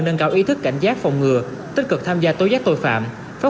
nâng cao ý thức cảnh giác phòng ngừa tích cực tham gia tối giác tội phạm